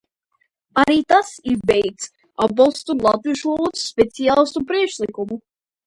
Arī tas ir veikts, atbalstot latviešu valodas speciālistu priekšlikumu.